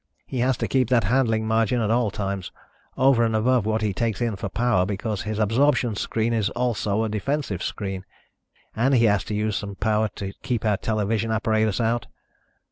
He has to keep that handling margin at all times, over and above what he takes in for power, because his absorption screen is also a defensive screen. And he has to use some power to keep our television apparatus out."